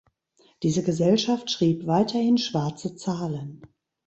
Diese Gesellschaft schrieb weiterhin schwarze Zahlen.